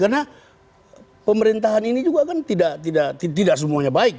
karena pemerintahan ini juga kan tidak semuanya baik